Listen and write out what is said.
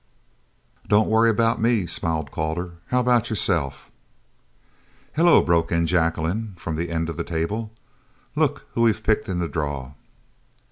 "Don't worry about me," smiled Calder. "How about yourself?" "Hello," broke in Jacqueline from the end of the table. "Look who we've picked in the draw!"